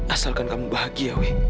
asalkan kamu bahagia wi